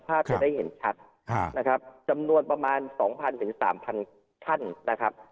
ภาพจะได้เห็นชัดนะครับจำนวนประมาณสองพันถึงสามพันท่านนะครับ